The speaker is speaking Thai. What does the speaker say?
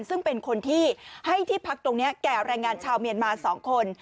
ซึ่งเป็นคนที่ให้ที่พักตรงนี้แก่แรงงานชาวเมียนมา๒คน